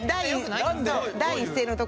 第一声のところが。